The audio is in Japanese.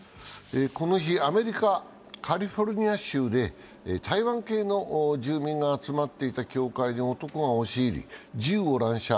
この日、アメリカ・カリフォルニア州で台湾系の住民が集まっていた教会に男が押し入り、銃を乱射。